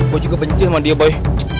gue juga benci sama dia boy